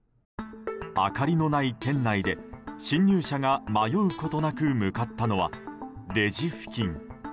明かりのない店内で侵入者が迷うことなく向かったのはレジ付近。